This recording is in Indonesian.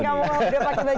apa yang kamu mau beri